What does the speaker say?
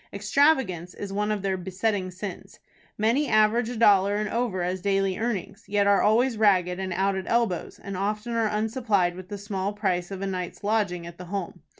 Extravagance is one of their besetting sins. Many average a dollar and over as daily earnings, yet are always ragged and out at elbows, and often are unsupplied with the small price of a night's lodging at the Home.